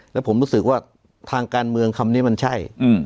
แล้วผมรู้สึกว่าทางการเมืองคำนี้มันใช่